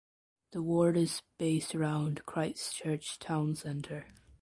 The ward is based around Christchurch Town Centre.